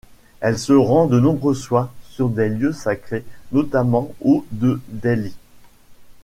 Il se rend de nombreuses fois sur des lieux sacrés, notamment au de Delhi.